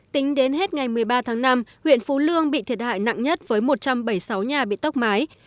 tính đến hết ngày một mươi ba tháng năm huyện phú lương bị thiệt hại nặng nhất với một trăm bảy mươi sáu nhà bị tốc mái